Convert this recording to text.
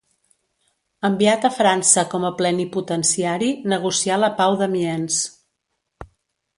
Enviat a França com a plenipotenciari, negocià la Pau d'Amiens.